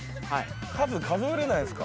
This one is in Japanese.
数、数えれないんですか？